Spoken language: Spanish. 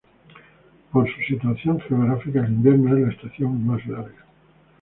Por su situación geográfica, el invierno es la estación más larga.